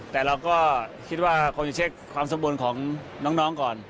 แต่เราก็คิดว่าคงจะเช็คความสมบลของน้องก่อน